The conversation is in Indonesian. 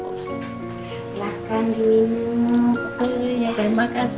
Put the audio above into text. silahkan diminum iya terima kasih